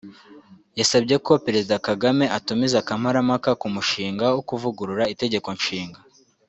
yasabye ko Perezida Kagame atumiza Kamparampaka k’umushinga wo kuvugurura itegekonshinga